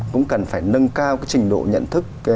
cũng cần phải nâng cao trình độ nhận thức